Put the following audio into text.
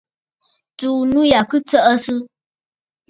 Tsùu nû ya kɨ tsəʼəsə!